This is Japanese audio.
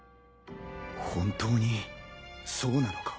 本当にそうなのか？